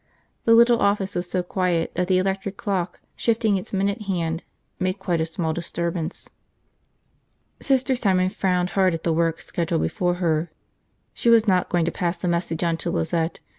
The little office was so quiet that the electric clock, shifting its minute hand, made quite a small disturbance. Sister Simon frowned hard at the work schedule before her. She was not going to pass the message on to Lizette.